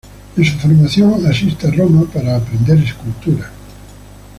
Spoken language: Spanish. En su formación asiste a Roma para aprender escultura.